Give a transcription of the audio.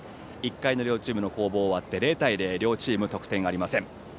１回の両チームの攻防終わって０対０、両チーム得点ありません。